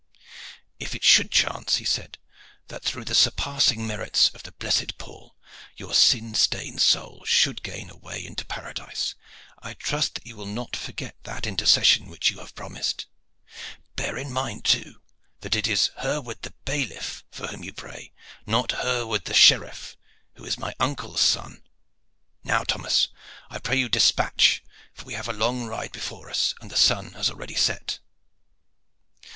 "If it should chance," he said, "that through the surpassing merits of the blessed Paul your sin stained soul should gain a way into paradise, I trust that you will not forget that intercession which you have promised. Bear in mind too, that it is Herward the bailiff for whom you pray, and not Herward the sheriff, who is my uncle's son. Now, Thomas, I pray you dispatch, for we have a long ride before us and sun has already set."